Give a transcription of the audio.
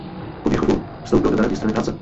Po Mnichovu vstoupil do Národní strany práce.